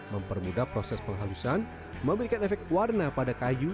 mempermudah proses penghalusan memberikan efek warna pada kayu